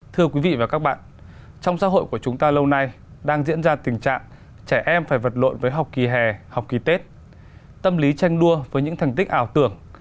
thưa quý vị và các bạn trong xã hội của chúng ta lâu nay đang diễn ra tình trạng